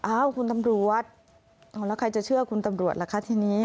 อ้าวคุณตำรวจแล้วใครจะเชื่อคุณตำรวจล่ะคะทีนี้